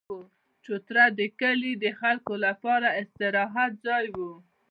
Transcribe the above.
چوتره د کلي د خلکو لپاره د استراحت ځای وو.